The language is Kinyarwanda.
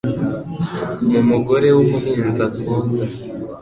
Mu mugore w'umuhinzi akunda